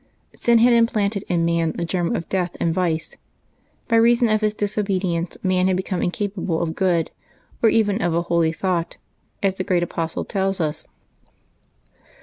Sin had implanted in man the germ of death and vice. By reason of his disobedience man had become incapable of good, or even of a holy thought, as the great Apostle tells us.